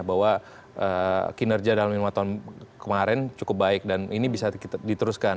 bahwa kinerja dalam lima tahun kemarin cukup baik dan ini bisa diteruskan